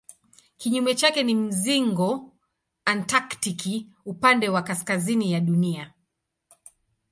Kinyume chake ni mzingo antaktiki upande wa kaskazini ya Dunia.